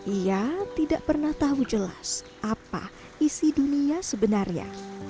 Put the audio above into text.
ia tidak pernah tahu jelas apa isi dunia sebenarnya